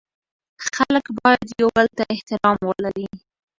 خلګ باید یوبل ته احترام ولري